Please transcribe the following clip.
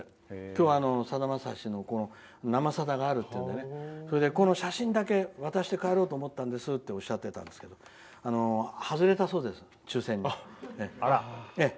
今日はさだまさしの「生さだ」があるっていうのでこの写真だけ渡して帰ろうと思ったんですとおっしゃっていたんですけど外れたそうです、抽選に。